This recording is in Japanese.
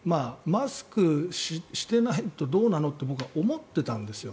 マスクしてないとどうなのって僕は思ってたんですよ